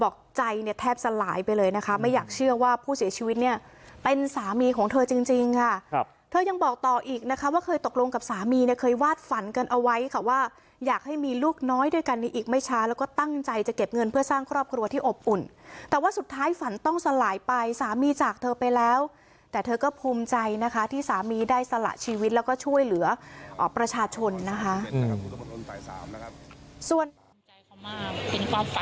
กับสามีเนี่ยเคยวาดฝันกันเอาไว้ค่ะว่าอยากให้มีลูกน้อยด้วยกันอีกไม่ช้าแล้วก็ตั้งใจจะเก็บเงินเพื่อสร้างครอบครัวที่อบอุ่นแต่ว่าสุดท้ายฝันต้องสลายไปสามีจากเธอไปแล้วแต่เธอก็ภูมิใจนะคะที่สามีได้สละชีวิตแล้วก็ช่วยเหลือประชาชนนะคะ